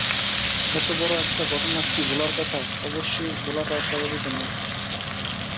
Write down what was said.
এত বড় একটা ঘটনা কি ভোলার কথা অবশ্যি ভোলাটা অস্বাভাবিকও নয়।